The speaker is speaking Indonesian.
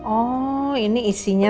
oh ini isinya